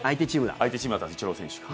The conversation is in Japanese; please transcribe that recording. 相手チームだったのでイチロー選手が。